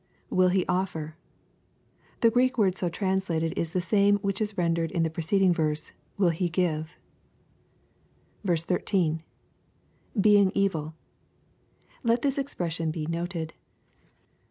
[TTiZZ he offer.] The Greek word so translated is tlie same which is rendered in the preceding verse " will be give." l^.^Being evil] Lei: this expression be noted.